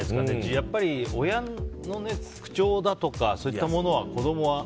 やっぱり親の口調だとかそういったものは子供は。